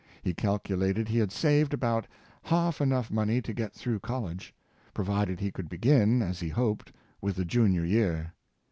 He calculated he had saved about half enough money to get through college, provided he could begin, as he hoped, with the Junior year.